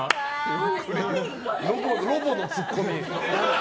ロボのツッコミ。